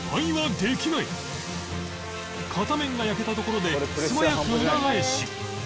片面が焼けたところで素早く裏返し